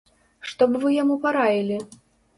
Што б вы яму параілі?